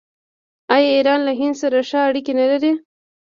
آیا ایران له هند سره ښه اړیکې نلري؟